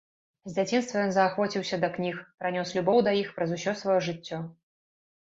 З дзяцінства ён заахвоціўся да кніг, пранёс любоў да іх праз усё сваё жыццё.